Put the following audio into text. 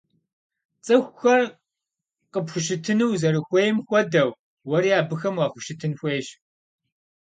Цӏыхухэр къыпхущытыну узэрыхуейм хуэдэу, уэри абыхэм уахущытын хуейщ.